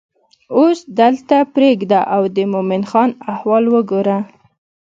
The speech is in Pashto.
اوس دلته پرېږده او د مومن خان احوال وګوره.